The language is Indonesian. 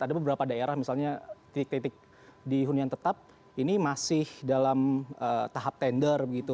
ada beberapa daerah misalnya titik titik di hunian tetap ini masih dalam tahap tender begitu